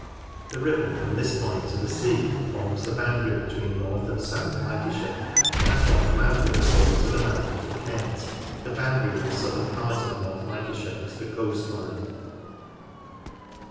The Ribble from this point to the sea forms the SHAPE BOUNDARIES 17 boundary between North and South Lancashire, and from the mouth of the river to the mouth of the Kent, the boundary of the southern part of North Lancashire is the coast line.